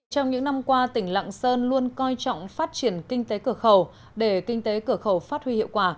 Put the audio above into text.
trong những năm qua tỉnh lạng sơn luôn coi trọng phát triển kinh tế cửa khẩu để kinh tế cửa khẩu phát huy hiệu quả